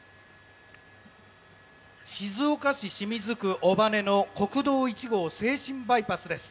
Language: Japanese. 静岡市清水区尾羽の国道１号静清バイパスです。